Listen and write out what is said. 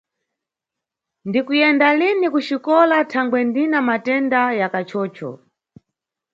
Ndikuyenda lini kuxikola thangwe ndina matenda ya kachocho